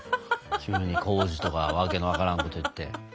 急に康史とか訳の分からんことを言って。